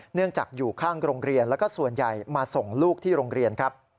เนื่องจากอยู่ข้างโรงเรียนแล้วก็ส่วนใหญ่มาส่งลูกที่โรงเรียนครับ